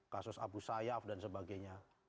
kasus abu sayyaf dan sebagainya